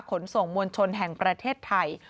ขนส่งมวลชนแห่งประเทศไทย